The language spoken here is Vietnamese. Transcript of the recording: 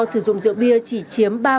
sử dụng rượu bia chỉ chiếm ba tám mươi bảy